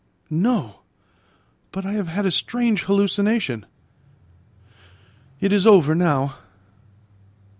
"No; but I have had a strange hallucination; it is over now.